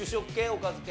おかず系？